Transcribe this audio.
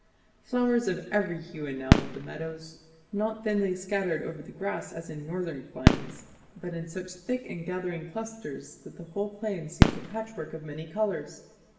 Flowers of every hue enamelled the meadows; not thinly scattered over the grass as in northern climes, but in such thick and gathering clusters that the whole plain seemed a patchwork of many colours.